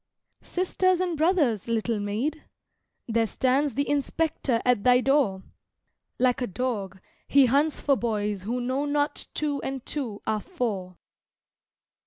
"Sisters and brothers, little Maid? There stands the Inspector at thy door: Like a dog, he hunts for boys who know not two and two are four."